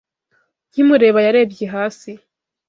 Nkimureba, yarebye hasi.